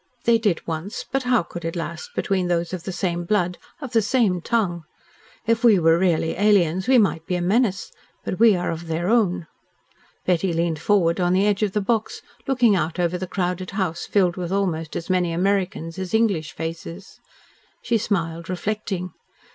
"They did once but how could it last between those of the same blood of the same tongue? If we were really aliens we might be a menace. But we are of their own." Betty leaned forward on the edge of the box, looking out over the crowded house, filled with almost as many Americans as English faces. She smiled, reflecting.